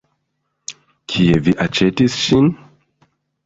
Kie vi aĉetis ŝin?